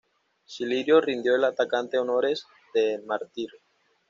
Cirilo rindió al atacante honores de mártir.